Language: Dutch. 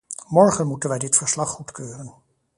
Morgen moeten wij dit verslag goedkeuren.